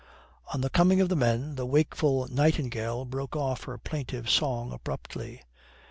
On the coming of the men the wakeful nightingale broke off her plaintive song abruptly.